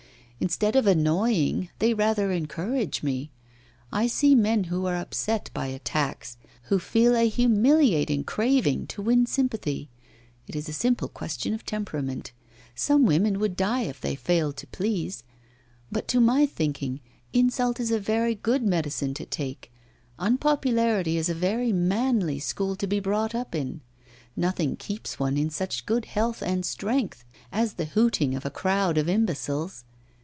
Instead of annoying, they rather encourage me. I see men who are upset by attacks, who feel a humiliating craving to win sympathy. It is a simple question of temperament; some women would die if they failed to please. But, to my thinking, insult is a very good medicine to take; unpopularity is a very manly school to be brought up in. Nothing keeps one in such good health and strength as the hooting of a crowd of imbeciles.